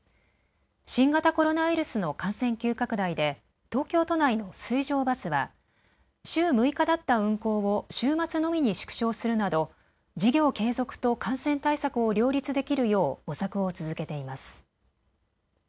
新型コロナウイルスの感染急拡大で東京都内の水上バスは週６日だった運航を週末のみに縮小するなど事業継続と感染対策を両立できるよう模索を続けています。